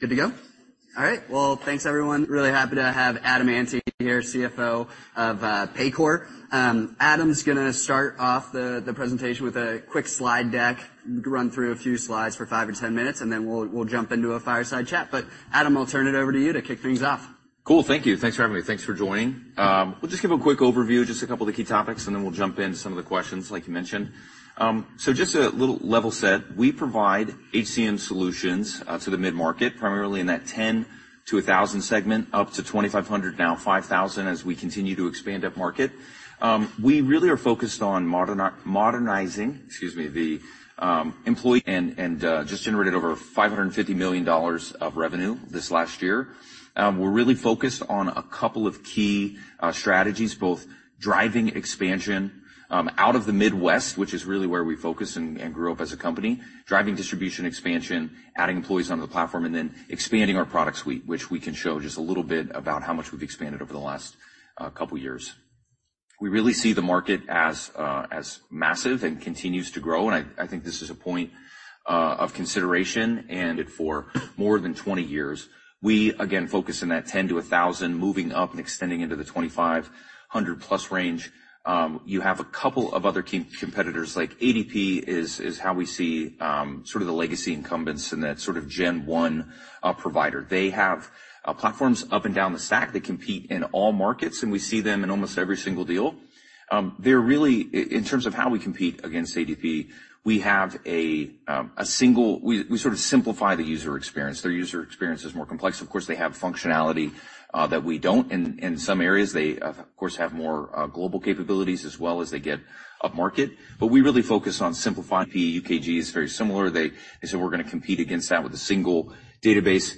Good to go? All right. Well, thanks, everyone. Really happy to have Adam Ante here, CFO of Paycor. Adam's gonna start off the presentation with a quick slide deck, run through a few slides for 5 or 10 minutes, and then we'll jump into a fireside chat. But Adam, I'll turn it over to you to kick things off. Cool. Thank you. Thanks for having me. Thanks for joining. We'll just give a quick overview, just a couple of the key topics, and then we'll jump into some of the questions like you mentioned. So just a little level set, we provide HCM solutions to the mid-market, primarily in that 10-1,000 segment, up to 2,500, now 5,000, as we continue to expand upmarket. We really are focused on modernizing, excuse me, the employee and just generated over $550 million of revenue this last year. We're really focused on a couple of key strategies, both driving expansion out of the Midwest, which is really where we focus and grew up as a company. Driving distribution expansion, adding employees onto the platform, and then expanding our product suite, which we can show just a little bit about how much we've expanded over the last couple of years. We really see the market as, as massive and continues to grow, and I, I think this is a point, of consideration, and for more than 20 years, we again, focus on that 10-1,000, moving up and extending into the 2,500+ range. You have a couple of other key competitors, like ADP is, is how we see, sort of the legacy incumbents in that sort of gen one, provider. They have, platforms up and down the stack. They compete in all markets, and we see them in almost every single deal. They're really... In terms of how we compete against ADP, we sort of simplify the user experience. Their user experience is more complex. Of course, they have functionality that we don't. In some areas, they, of course, have more global capabilities as well as they get upmarket. But we really focus on simplifying. UKG is very similar. They said, we're gonna compete against that with a single database.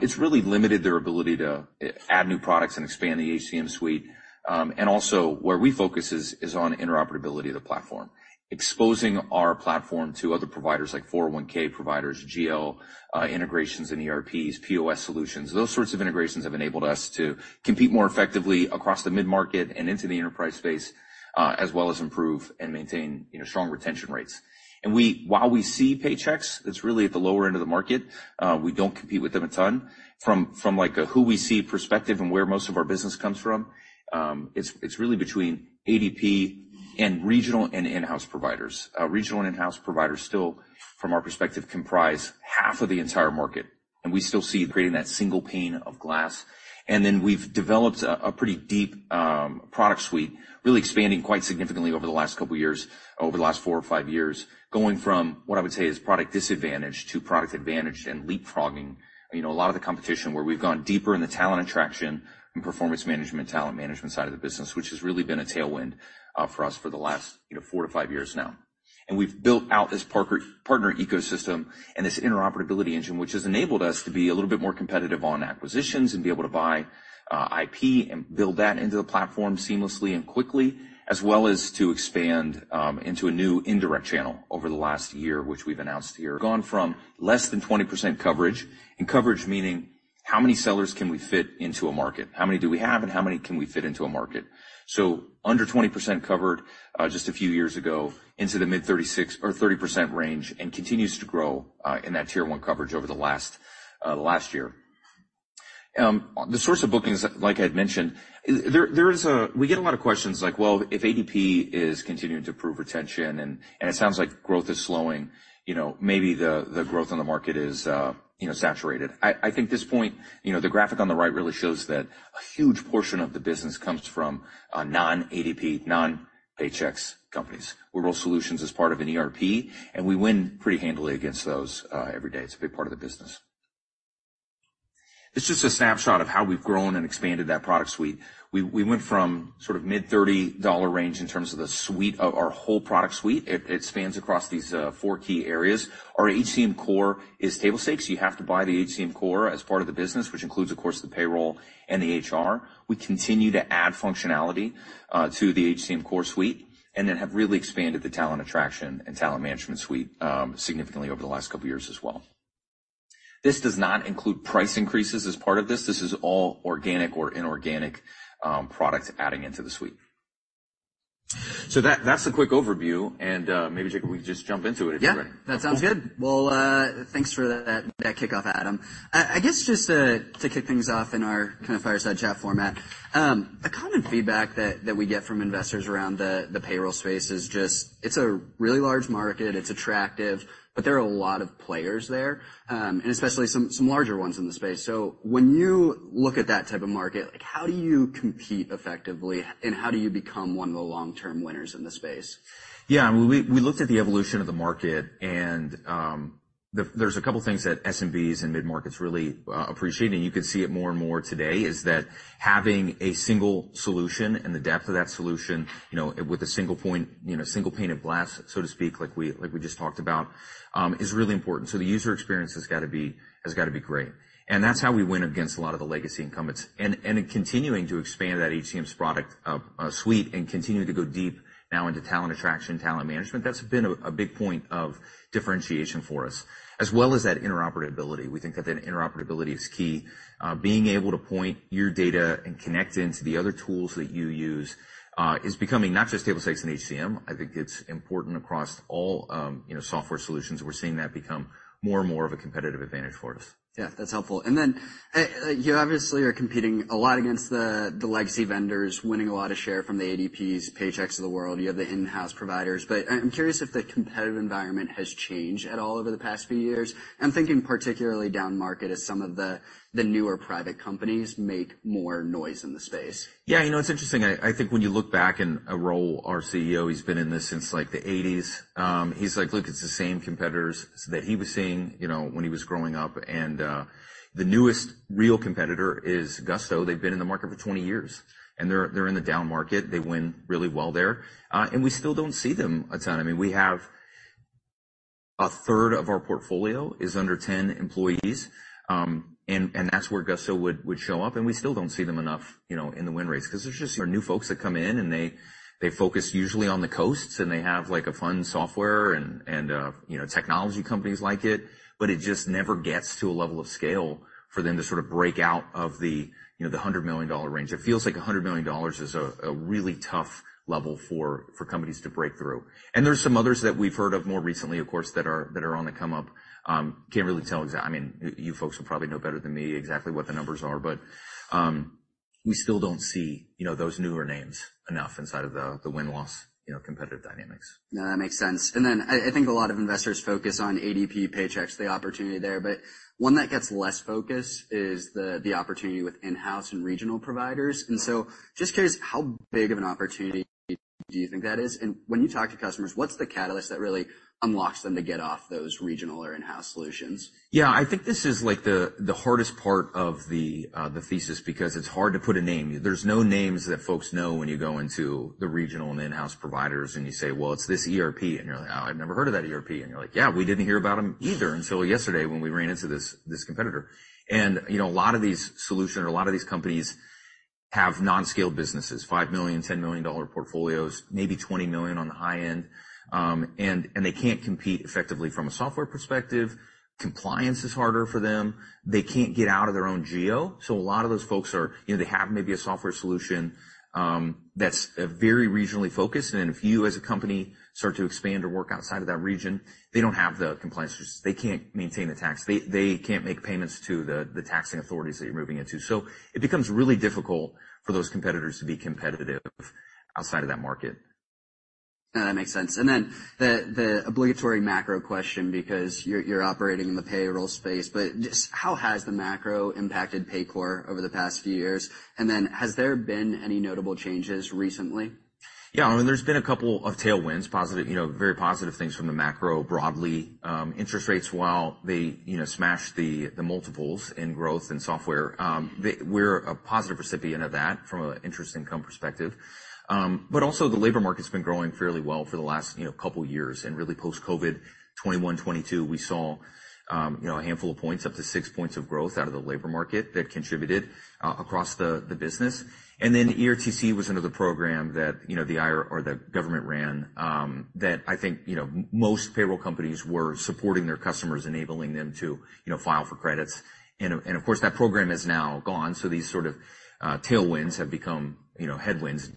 It's really limited their ability to add new products and expand the HCM suite. And also, where we focus is on interoperability of the platform, exposing our platform to other providers like 401 providers, GL integrations and ERPs, POS solutions. Those sorts of integrations have enabled us to compete more effectively across the mid-market and into the enterprise space, as well as improve and maintain, you know, strong retention rates. And while we see Paychex, it's really at the lower end of the market. We don't compete with them a ton. From, like, a who we see perspective and where most of our business comes from, it's really between ADP and regional and in-house providers. Regional and in-house providers still, from our perspective, comprise half of the entire market, and we still see creating that single pane of glass. And then we've developed a pretty deep product suite, really expanding quite significantly over the last couple of years, over the last 4 or 5 years, going from what I would say is product disadvantage to product advantage and leapfrogging, you know, a lot of the competition where we've gone deeper in the talent attraction and performance management, talent management side of the business, which has really been a tailwind for us for the last, you know, 4 to 5 years now. And we've built out this partner ecosystem and this interoperability engine, which has enabled us to be a little bit more competitive on acquisitions and be able to buy IP and build that into the platform seamlessly and quickly, as well as to expand into a new indirect channel over the last year, which we've announced here. We've gone from less than 20% coverage, and coverage meaning: How many sellers can we fit into a market? How many do we have, and how many can we fit into a market? So under 20% covered just a few years ago into the mid-36 or 30% range and continues to grow in that tier one coverage over the last year. The source of bookings, like I'd mentioned, there is a... We get a lot of questions like, well, if ADP is continuing to prove retention and it sounds like growth is slowing, you know, maybe the growth in the market is, you know, saturated. I think this point, you know, the graphic on the right really shows that a huge portion of the business comes from non-ADP, non-Paychex companies, where payroll solutions is part of an ERP, and we win pretty handily against those every day. It's a big part of the business. This is just a snapshot of how we've grown and expanded that product suite. We went from sort of mid-$30 range in terms of the suite of our whole product suite. It spans across these four key areas. Our HCM core is table stakes. You have to buy the HCM core as part of the business, which includes, of course, the payroll and the HR. We continue to add functionality to the HCM core suite and then have really expanded the talent attraction and talent management suite significantly over the last couple of years as well. This does not include price increases as part of this. This is all organic or inorganic products adding into the suite. So that, that's the quick overview, and maybe, Jacob, we can just jump into it if you're ready. Yeah, that sounds good. Well, thanks for that kickoff, Adam. I guess just to kick things off in our kind of fireside chat format, a common feedback that we get from investors around the payroll space is just, it's a really large market, it's attractive, but there are a lot of players there, and especially some larger ones in the space. So when you look at that type of market, like, how do you compete effectively, and how do you become one of the long-term winners in the space? Yeah, I mean, we looked at the evolution of the market, and there's a couple things that SMBs and mid-markets really appreciate, and you can see it more and more today, is that having a single solution and the depth of that solution, you know, with a single point, you know, single pane of glass, so to speak, like we just talked about, is really important. So the user experience has got to be great, and that's how we win against a lot of the legacy incumbents. And in continuing to expand that HCM's product suite and continuing to go deep now into talent attraction, talent management, that's been a big point of differentiation for us, as well as that interoperability. We think that the interoperability is key. Being able to point your data and connect into the other tools that you use is becoming not just table stakes in HCM, I think it's important across all, you know, software solutions. We're seeing that become more and more of a competitive advantage for us. Yeah, that's helpful. And then, you obviously are competing a lot against the legacy vendors, winning a lot of share from the ADPs, Paychex of the world. You have the in-house providers, but I'm curious if the competitive environment has changed at all over the past few years. I'm thinking particularly down market as some of the newer private companies make more noise in the space. Yeah, you know, it's interesting. I, I think when you look back and Raul, our CEO, he's been in this since, like, the eighties. He's like: "Look, it's the same competitors," that he was seeing, you know, when he was growing up. And the newest real competitor is Gusto. They've been in the market for 20 years, and they're, they're in the down market. They win really well there, and we still don't see them a ton. I mean, we have a third of our portfolio is under 10 employees, and that's where Gusto would, would show up, and we still don't see them enough, you know, in the win rates. 'Cause there's just new folks that come in, and they focus usually on the coasts, and they have, like, a fun software and, you know, technology companies like it, but it just never gets to a level of scale for them to sort of break out of the, you know, the $100 million range. It feels like $100 million is a really tough level for companies to break through. And there's some others that we've heard of more recently, of course, that are on the come up. Can't really tell. I mean, you folks will probably know better than me exactly what the numbers are, but we still don't see, you know, those newer names enough inside of the win-loss, you know, competitive dynamics. No, that makes sense. And then I think a lot of investors focus on ADP, Paychex, the opportunity there, but one that gets less focus is the opportunity with in-house and regional providers. Yeah. So just curious, how big of an opportunity do you think that is? And when you talk to customers, what's the catalyst that really unlocks them to get off those regional or in-house solutions? Yeah, I think this is, like, the hardest part of the thesis, because it's hard to put a name. There's no names that folks know when you go into the regional and in-house providers, and you say: "Well, it's this ERP." And you're like: "Oh, I've never heard of that ERP." And you're like, "Yeah, we didn't hear about them either until yesterday when we ran into this competitor." And, you know, a lot of these solution or a lot of these companies have non-scale businesses, $5 million, $10 million portfolios, maybe $20 million on the high end. And they can't compete effectively from a software perspective. Compliance is harder for them. They can't get out of their own geo. So a lot of those folks are... You know, they have maybe a software solution, that's very regionally focused, and if you, as a company, start to expand or work outside of that region, they don't have the compliance. They can't maintain the tax. They can't make payments to the taxing authorities that you're moving into. So it becomes really difficult for those competitors to be competitive outside of that market. No, that makes sense. And then the obligatory macro question, because you're operating in the payroll space, but just how has the macro impacted Paycor over the past few years? And then, has there been any notable changes recently? Yeah, I mean, there's been a couple of tailwinds, positive, you know, very positive things from the macro, broadly. Interest rates, while they, you know, smash the multiples in growth and software, they're a positive recipient of that from an interest income perspective. But also, the labor market's been growing fairly well for the last, you know, couple of years. And really, post-COVID, 2021, 2022, we saw, you know, a handful of points, up to 6 points of growth out of the labor market that contributed across the business. And then ERTC was another program that, you know, the IRS or the government ran, that I think, you know, most payroll companies were supporting their customers, enabling them to, you know, file for credits. And of course, that program is now gone, so these sort of tailwinds have become, you know, headwinds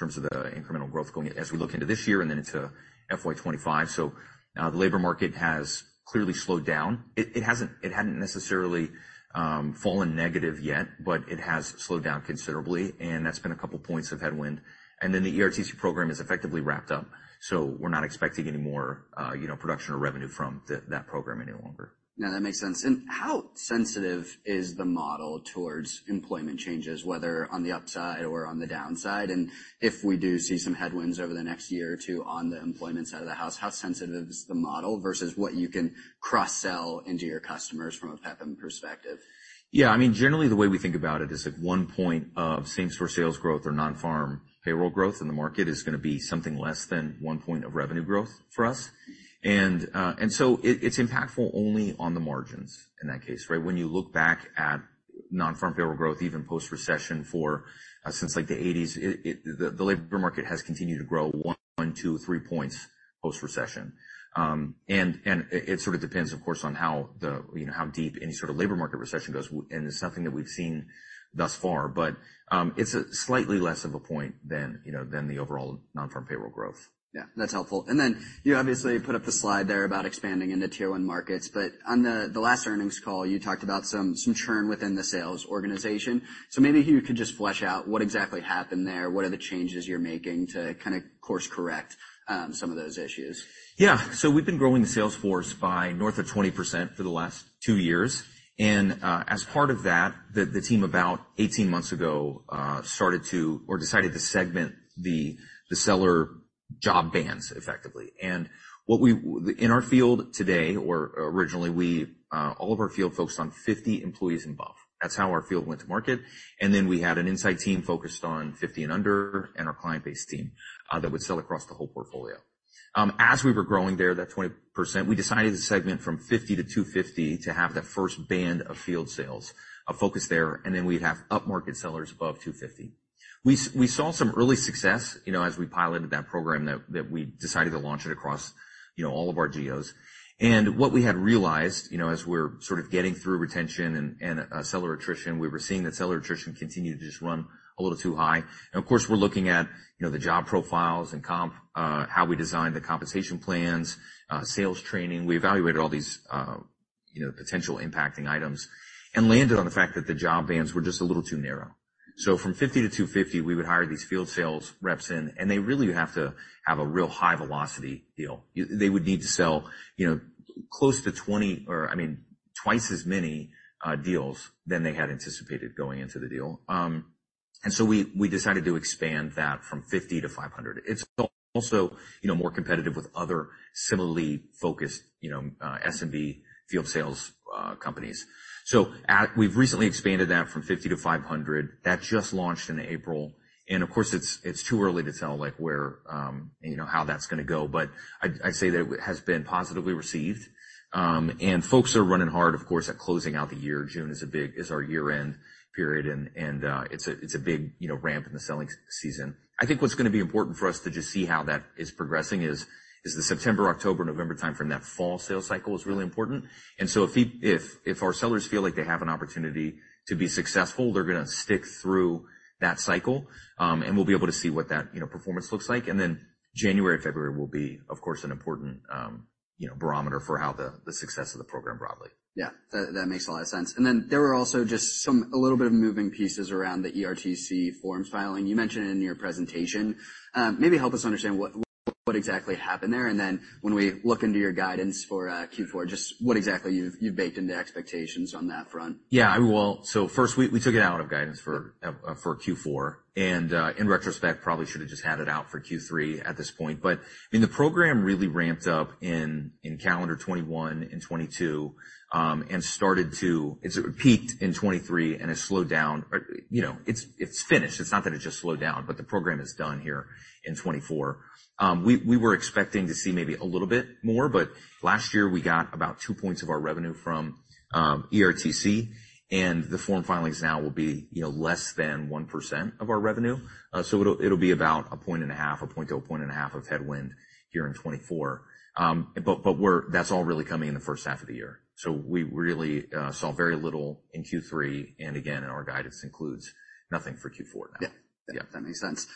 in terms of the incremental growth going as we look into this year and then into FY 25. So, the labor market has clearly slowed down. It hasn't it hadn't necessarily fallen negative yet, but it has slowed down considerably, and that's been a couple points of headwind. And then the ERTC program is effectively wrapped up, so we're not expecting any more, you know, production or revenue from that program any longer. No, that makes sense. How sensitive is the model towards employment changes, whether on the upside or on the downside? If we do see some headwinds over the next year or two on the employment side of the house, how sensitive is the model versus what you can cross-sell into your customers from a PEPM perspective? Yeah, I mean, generally, the way we think about it is that one point of same-store sales growth or non-farm payroll growth in the market is gonna be something less than one point of revenue growth for us. And, and so it's impactful only on the margins in that case, right? When you look back at non-farm payroll growth, even post-recession, for since, like, the eighties, the labor market has continued to grow one, two, three points post-recession. And it sort of depends, of course, on how the, you know, how deep any sort of labor market recession goes, and it's nothing that we've seen thus far, but it's a slightly less of a point than, you know, than the overall non-farm payroll growth. Yeah, that's helpful. Then you obviously put up the slide there about expanding into Tier One markets, but on the last earnings call, you talked about some churn within the sales organization. So maybe you could just flesh out what exactly happened there. What are the changes you're making to kind of course correct some of those issues? Yeah. So we've been growing the sales force by north of 20% for the last two years, and as part of that, the team about 18 months ago started to or decided to segment the seller job bands effectively. And what we in our field today, or originally, we all of our field focused on 50 employees and above. That's how our field went to market, and then we had an inside team focused on 50 and under, and our client-based team that would sell across the whole portfolio. As we were growing there, that 20%, we decided to segment from 50 to 250 to have that first band of field sales, a focus there, and then we'd have upmarket sellers above 250. We saw some early success, you know, as we piloted that program that we decided to launch it across, you know, all of our geos. And what we had realized, you know, as we're sort of getting through retention and seller attrition, we were seeing that seller attrition continued to just run a little too high. And of course, we're looking at, you know, the job profiles and comp, how we design the compensation plans, sales training. We evaluated all these, you know, potential impacting items and landed on the fact that the job bands were just a little too narrow. So from 50 to 250, we would hire these field sales reps in, and they really have to have a real high velocity deal. They would need to sell, you know, close to 20 or, I mean, twice as many, deals than they had anticipated going into the deal. And so we, we decided to expand that from 50 to 500. It's also, you know, more competitive with other similarly focused, you know, SMB field sales, companies. So we've recently expanded that from 50 to 500. That just launched in April, and of course, it's, it's too early to tell, like, where, you know, how that's gonna go, but I'd, I'd say that it has been positively received. And folks are running hard, of course, at closing out the year. June is a big year-end period, and, and, it's a, it's a big, you know, ramp in the selling season. I think what's gonna be important for us to just see how that is progressing is the September, October, November timeframe, that fall sales cycle is really important. And so if our sellers feel like they have an opportunity to be successful, they're gonna stick through that cycle, and we'll be able to see what that, you know, performance looks like. And then January, February will be, of course, an important barometer for how the success of the program broadly. Yeah, that makes a lot of sense. And then there were also just some a little bit of moving pieces around the ERTC forms filing. You mentioned it in your presentation. Maybe help us understand what exactly happened there, and then when we look into your guidance for Q4, just what exactly you've baked into expectations on that front. Yeah, I will. So first, we took it out of guidance for Q4, and in retrospect, probably should have just had it out for Q3 at this point. But I mean, the program really ramped up in calendar 2021 and 2022, and started to... It peaked in 2023, and it slowed down. You know, it's finished. It's not that it just slowed down, but the program is done here in 2024. We were expecting to see maybe a little bit more, but last year we got about 2 points of our revenue from ERTC, and the form filings now will be, you know, less than 1% of our revenue. So it'll be about 1.5, 1 to 1.5 of headwind here in 2024. But that's all really coming in the first half of the year. So we really saw very little in Q3, and again, our guidance includes nothing for Q4 now. Yeah. Yeah. That makes sense.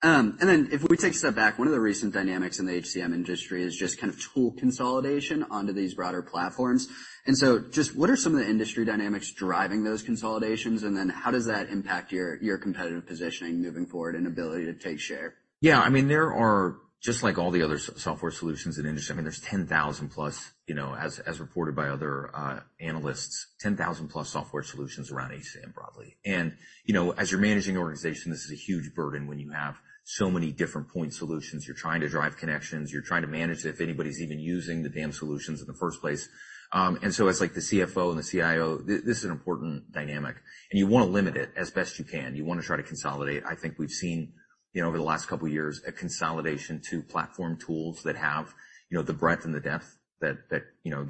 And then if we take a step back, one of the recent dynamics in the HCM industry is just kind of tool consolidation onto these broader platforms. And so just what are some of the industry dynamics driving those consolidations? And then how does that impact your, your competitive positioning moving forward and ability to take share? Yeah, I mean, there are just like all the other software solutions in the industry. I mean, there's 10,000+, you know, as reported by other analysts, 10,000+ software solutions around HCM broadly. And, you know, as you're managing an organization, this is a huge burden when you have so many different point solutions. You're trying to drive connections, you're trying to manage if anybody's even using the damn solutions in the first place. And so as like the CFO and the CIO, this is an important dynamic, and you want to limit it as best you can. You want to try to consolidate. I think we've seen, you know, over the last couple of years, a consolidation to platform tools that have, you know, the breadth and the depth that the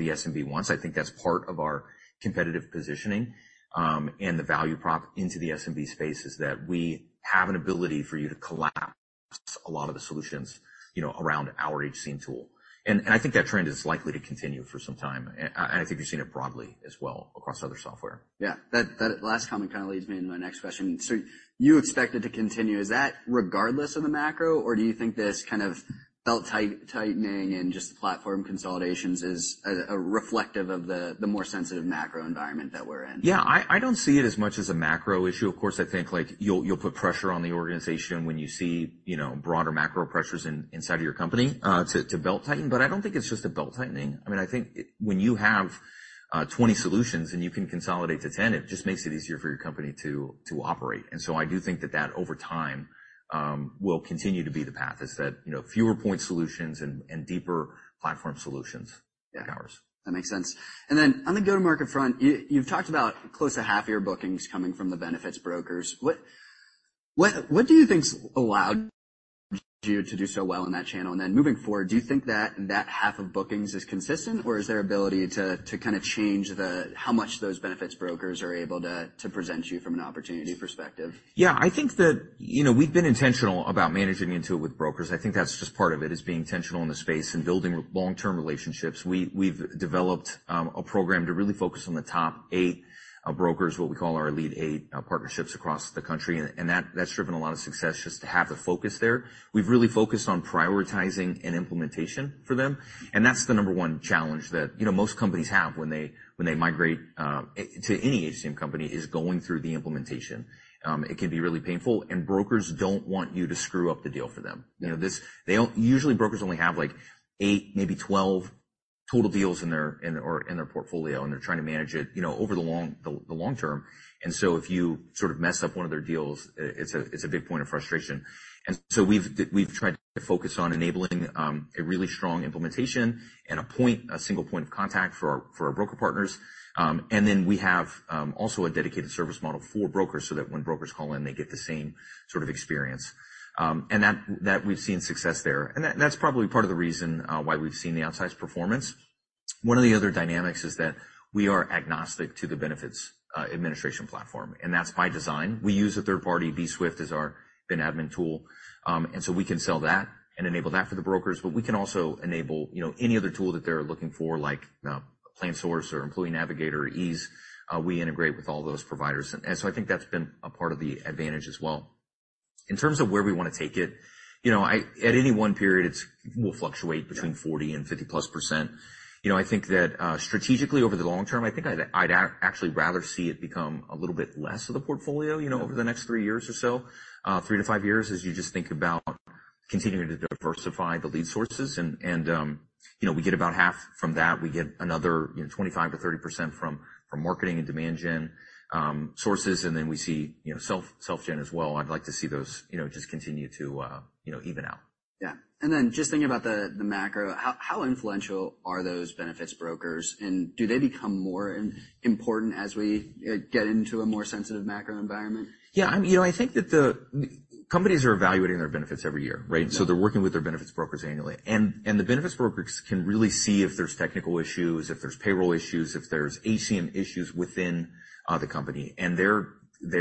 SMB wants. I think that's part of our competitive positioning, and the value prop into the SMB space is that we have an ability for you to collapse a lot of the solutions, you know, around our HCM tool. And I think that trend is likely to continue for some time, and I think we've seen it broadly as well across other software. Yeah. That last comment kind of leads me into my next question. So you expect it to continue. Is that regardless of the macro, or do you think this kind of belt tightening and just platform consolidations is reflective of the more sensitive macro environment that we're in? Yeah, I don't see it as much as a macro issue. Of course, I think, like, you'll put pressure on the organization when you see, you know, broader macro pressures inside of your company, to belt-tighten, but I don't think it's just a belt-tightening. I mean, I think when you have 20 solutions and you can consolidate to 10, it just makes it easier for your company to operate. And so I do think that that over time will continue to be the path, is that, you know, fewer point solutions and deeper platform solutions like ours. That makes sense. And then on the go-to-market front, you've talked about close to half of your bookings coming from the benefits brokers. What do you think's allowed you to do so well in that channel? And then moving forward, do you think that that half of bookings is consistent, or is there ability to kind of change the... how much those benefits brokers are able to present you from an opportunity perspective? Yeah, I think that, you know, we've been intentional about managing into it with brokers. I think that's just part of it, is being intentional in the space and building long-term relationships. We've developed a program to really focus on the top eight brokers, what we call our Lead Eight partnerships across the country, and that's driven a lot of success just to have the focus there. We've really focused on prioritizing and implementation for them, and that's the number one challenge that, you know, most companies have when they, when they migrate to any HCM company, is going through the implementation. It can be really painful, and brokers don't want you to screw up the deal for them. Mm-hmm. You know, they don't usually. Brokers only have, like, 8, maybe 12 total deals in their portfolio, and they're trying to manage it, you know, over the long term. So if you sort of mess up one of their deals, it's a big point of frustration. So we've tried to focus on enabling a really strong implementation and a single point of contact for our broker partners. And then we have also a dedicated service model for brokers, so that when brokers call in, they get the same sort of experience. And that we've seen success there, and that's probably part of the reason why we've seen the outsized performance. One of the other dynamics is that we are agnostic to the benefits administration platform, and that's by design. We use a third party, bswift, as our benefits admin tool. And so we can sell that and enable that for the brokers, but we can also enable, you know, any other tool that they're looking for, like PlanSource or Employee Navigator or Ease. We integrate with all those providers, and so I think that's been a part of the advantage as well. In terms of where we want to take it, you know, at any one period, it will fluctuate between 40% and 50+%. You know, I think that, strategically, over the long term, I think I'd actually rather see it become a little bit less of the portfolio, you know, over the next three years or so, three to five years, as you just think about continuing to diversify the lead sources and, you know, we get about half from that. We get another, you know, 25%-30% from marketing and demand gen sources, and then we see, you know, self-gen as well. I'd like to see those, you know, just continue to, you know, even out. Yeah. And then just thinking about the macro, how influential are those benefits brokers, and do they become more important as we get into a more sensitive macro environment? Yeah, I'm, you know, I think that the companies are evaluating their benefits every year, right? Yeah. So they're working with their benefits brokers annually, and the benefits brokers can really see if there's technical issues, if there's payroll issues, if there's HCM issues within the company, and they're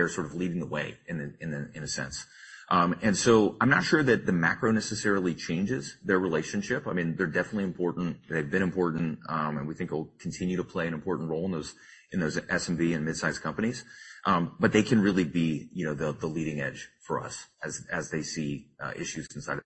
sort of leading the way in a sense. So I'm not sure that the macro necessarily changes their relationship. I mean, they're definitely important. They've been important, and we think it'll continue to play an important role in those SMB and mid-sized companies. But they can really be, you know, the leading edge for us as they see issues inside of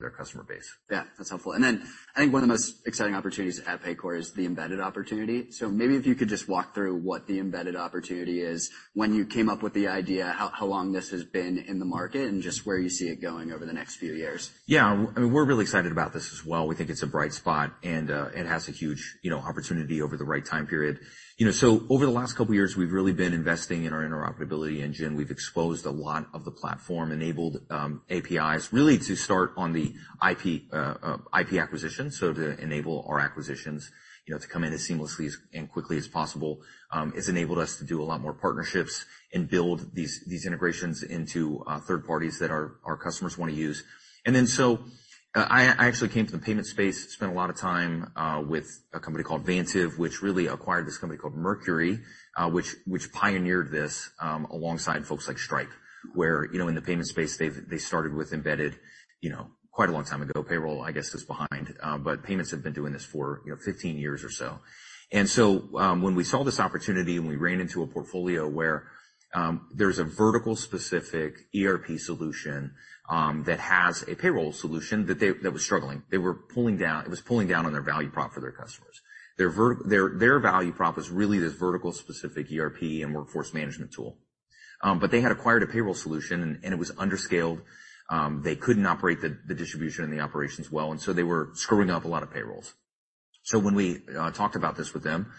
their customer base. Yeah, that's helpful. And then I think one of the most exciting opportunities at Paycor is the embedded opportunity. So maybe if you could just walk through what the embedded opportunity is, when you came up with the idea, how long this has been in the market, and just where you see it going over the next few years. Yeah, I mean, we're really excited about this as well. We think it's a bright spot, and it has a huge, you know, opportunity over the right time period. You know, so over the last couple of years, we've really been investing in our interoperability engine. We've exposed a lot of the platform, enabled APIs really to start on the IP acquisition. So to enable our acquisitions, you know, to come in as seamlessly and quickly as possible, it's enabled us to do a lot more partnerships and build these integrations into third parties that our customers want to use. I actually came to the payment space, spent a lot of time with a company called Vantiv, which really acquired this company called Mercury, which pioneered this alongside folks like Stripe, where, you know, in the payment space, they've, they started with embedded, you know, quite a long time ago. Payroll, I guess, was behind, but payments have been doing this for, you know, 15 years or so. When we saw this opportunity, and we ran into a portfolio where there's a vertical specific ERP solution that has a payroll solution that was struggling. They were pulling down, it was pulling down on their value prop for their customers. Their value prop is really this vertical specific ERP and workforce management tool. But they had acquired a payroll solution, and it was under-scaled. They couldn't operate the distribution and the operations well, and so they were screwing up a lot of payrolls. So when we talked about this with them,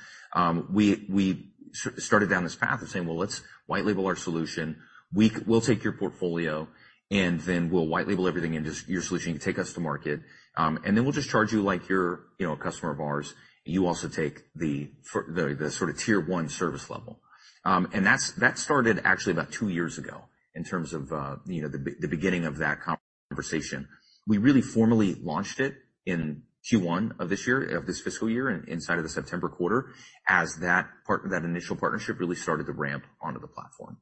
we started down this path of saying: Well, let's white label our solution. We'll take your portfolio, and then we'll white label everything into your solution. You take us to market, and then we'll just charge you like you're, you know, a customer of ours, and you also take the sort of tier one service level. And that started actually about two years ago in terms of, you know, the beginning of that conversation. We really formally launched it in Q1 of this year, of this fiscal year, inside of the September quarter, as that partner, that initial partnership, really started to ramp onto the platform.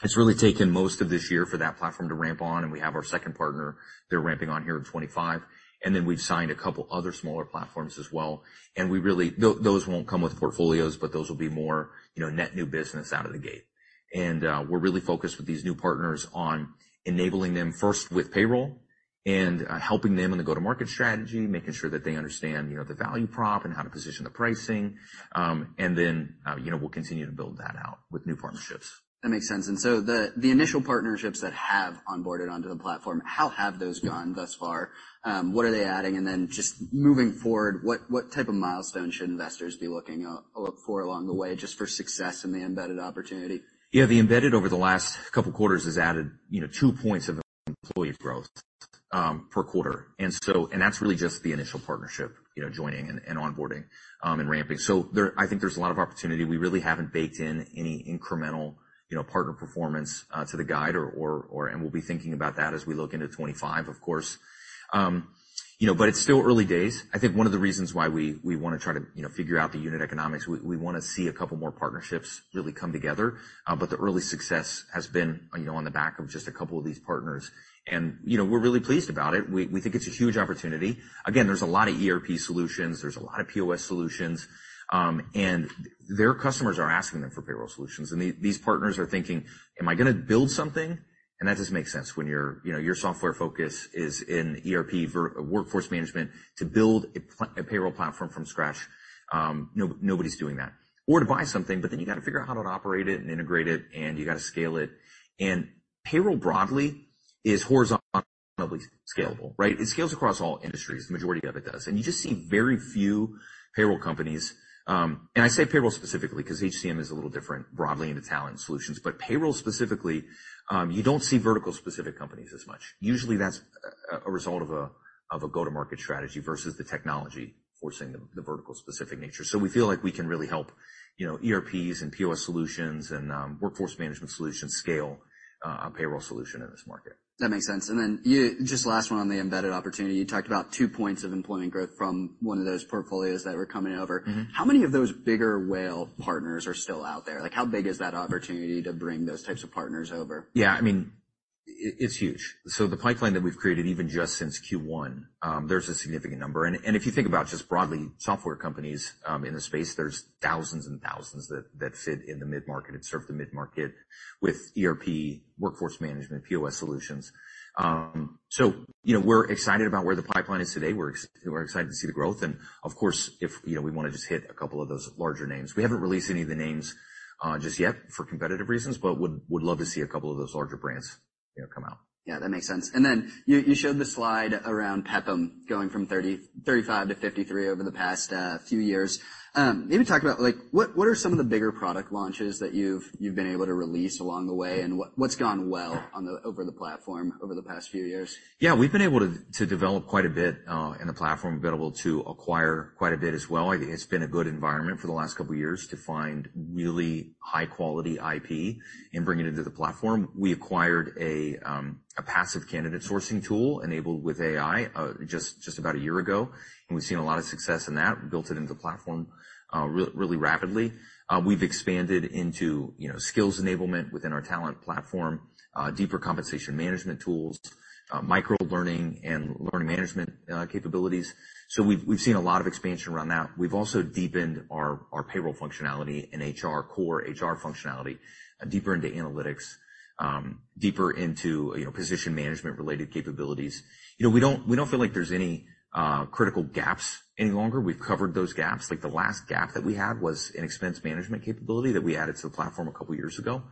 It's really taken most of this year for that platform to ramp on, and we have our second partner. They're ramping on here in 2025, and then we've signed a couple other smaller platforms as well, and we really... Those, those won't come with portfolios, but those will be more, you know, net new business out of the gate. And, we're really focused with these new partners on enabling them first with payroll and, helping them in the go-to-market strategy, making sure that they understand, you know, the value prop and how to position the pricing. And then, you know, we'll continue to build that out with new partnerships. That makes sense. And so the initial partnerships that have onboarded onto the platform, how have those gone thus far? What are they adding? And then just moving forward, what type of milestone should investors be looking out for along the way, just for success in the embedded opportunity? Yeah, the embedded over the last couple of quarters has added, you know, 2 points of employee growth per quarter. And so, that's really just the initial partnership, you know, joining and onboarding and ramping. So, I think there's a lot of opportunity. We really haven't baked in any incremental, you know, partner performance to the guide, and we'll be thinking about that as we look into 25, of course. You know, but it's still early days. I think one of the reasons why we wanna see a couple more partnerships really come together. But the early success has been, you know, on the back of just a couple of these partners, and, you know, we're really pleased about it. We think it's a huge opportunity. Again, there's a lot of ERP solutions, there's a lot of POS solutions, and their customers are asking them for payroll solutions. And these partners are thinking, "Am I gonna build something?" And that just makes sense when your, you know, your software focus is in ERP versus workforce management to build a payroll platform from scratch, nobody's doing that. Or to buy something, but then you got to figure out how to operate it and integrate it, and you got to scale it. And payroll broadly is horizontally scalable, right? It scales across all industries, the majority of it does. And you just see very few payroll companies, and I say payroll specifically, 'cause HCM is a little different broadly into talent solutions, but payroll specifically, you don't see vertical specific companies as much. Usually, that's a result of a go-to-market strategy versus the technology forcing the vertical specific nature. So we feel like we can really help, you know, ERPs and POS solutions and workforce management solutions scale a payroll solution in this market. That makes sense. And then you, just last one on the embedded opportunity. You talked about two points of employment growth from one of those portfolios that are coming over. Mm-hmm. How many of those bigger whale partners are still out there? Like, how big is that opportunity to bring those types of partners over? Yeah, I mean, it's huge. So the pipeline that we've created, even just since Q1, there's a significant number. If you think about just broadly, software companies, in the space, there's thousands and thousands that fit in the mid-market and serve the mid-market with ERP, workforce management, POS solutions. So, you know, we're excited about where the pipeline is today. We're excited to see the growth and of course, if, you know, we wanna just hit a couple of those larger names. We haven't released any of the names, just yet for competitive reasons, but would love to see a couple of those larger brands, you know, come out. Yeah, that makes sense. And then you, you showed the slide around PEPPM going from 30-35 to 53 over the past few years. Maybe talk about, like, what, what are some of the bigger product launches that you've, you've been able to release along the way, and what, what's gone well on the... over the platform over the past few years? Yeah, we've been able to develop quite a bit in the platform. We've been able to acquire quite a bit as well. I think it's been a good environment for the last couple of years to find really high-quality IP and bring it into the platform. We acquired a passive candidate sourcing tool enabled with AI just about a year ago, and we've seen a lot of success in that. We built it into the platform really rapidly. We've expanded into, you know, skills enablement within our talent platform, deeper compensation management tools, micro learning and learning management capabilities. So we've seen a lot of expansion around that. We've also deepened our payroll functionality in HR, core HR functionality, deeper into analytics, deeper into, you know, position management related capabilities. You know, we don't, we don't feel like there's any critical gaps any longer. We've covered those gaps. Like, the last gap that we had was an expense management capability that we added to the platform a couple of years ago.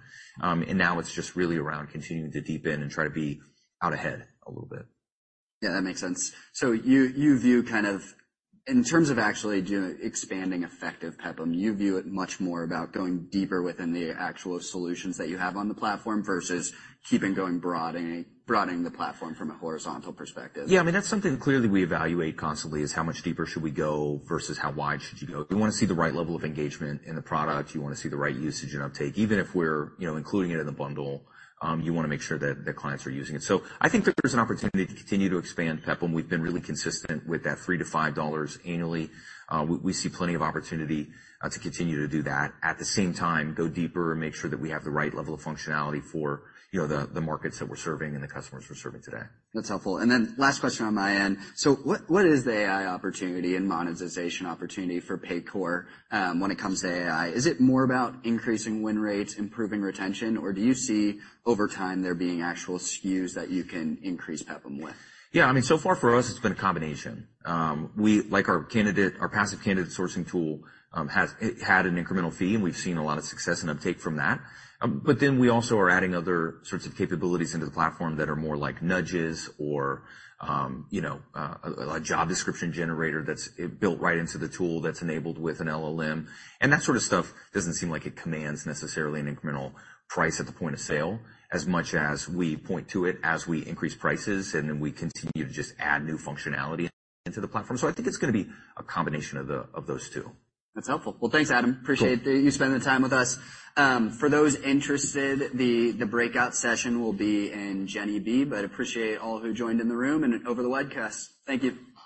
And now it's just really around continuing to deepen and try to be out ahead a little bit. Yeah, that makes sense. So you view kind of... In terms of actually doing, expanding effective PEPPM, you view it much more about going deeper within the actual solutions that you have on the platform versus keeping going, broadening the platform from a horizontal perspective. Yeah, I mean, that's something clearly we evaluate constantly, is how much deeper should we go versus how wide should you go? We wanna see the right level of engagement in the product. You wanna see the right usage and uptake. Even if we're, you know, including it in the bundle, you wanna make sure that the clients are using it. So I think that there's an opportunity to continue to expand PEPPM. We've been really consistent with that $3-$5 annually. We see plenty of opportunity to continue to do that. At the same time, go deeper and make sure that we have the right level of functionality for, you know, the markets that we're serving and the customers we're serving today. That's helpful. And then last question on my end: so what, what is the AI opportunity and monetization opportunity for Paycor, when it comes to AI? Is it more about increasing win rates, improving retention, or do you see over time there being actual SKUs that you can increase PEPPM with? Yeah, I mean, so far for us, it's been a combination. We like our candidate, our passive candidate sourcing tool has it had an incremental fee, and we've seen a lot of success and uptake from that. But then we also are adding other sorts of capabilities into the platform that are more like nudges or, you know, a job description generator that's built right into the tool that's enabled with an LLM. And that sort of stuff doesn't seem like it commands necessarily an incremental price at the point of sale, as much as we point to it as we increase prices, and then we continue to just add new functionality into the platform. So I think it's gonna be a combination of those two. That's helpful. Well, thanks, Adam. Sure. Appreciate you spending the time with us. For those interested, the breakout session will be in Jenner B, but appreciate all who joined in the room and over the webcast. Thank you.